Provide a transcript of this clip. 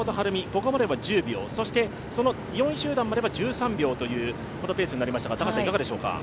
ここまでは１０秒、４位集団までは１３秒というペースになりましたが、高橋さん、いかがでしょうか？